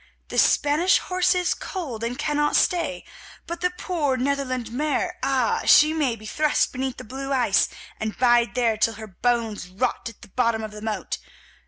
The Spanish horse is cold and cannot stay, but the poor Netherland Mare—ah! she may be thrust beneath the blue ice and bide there till her bones rot at the bottom of the moat.